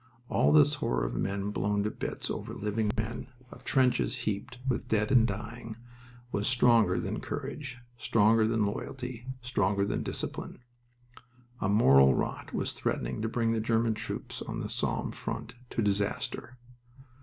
All this horror of men blown to bits over living men, of trenches heaped with dead and dying, was stronger than courage, stronger than loyalty, stronger than discipline. A moral rot was threatening to bring the German troops on the Somme front to disaster.